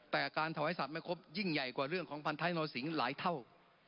แต่การถวายสัตว์ไม่ครบยิ่งใหญ่กว่าเรื่องของพันท้ายโนสิงศ์หลายเท่า